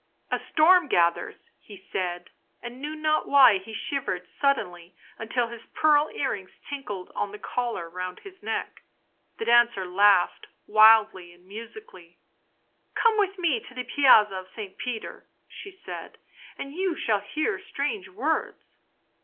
" A storm gathers," he said, and knew not why he shivered suddenly until his pearl earrings tinkled on the collar round his neck. The dancer laughed, wildly and musically. " Come with me to the Piazza of St. Peter," she said, " and you shall hear strange words."